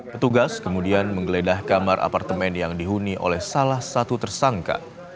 petugas kemudian menggeledah kamar apartemen yang dihuni oleh salah satu tersangka